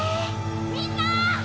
・みんな！